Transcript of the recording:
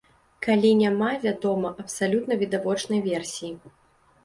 Калі няма, вядома, абсалютна відавочнай версіі.